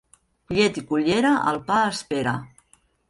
Llet i cullera el pa espera.